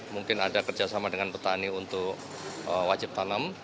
mungkin ada kerjasama dengan petani untuk wajib tanam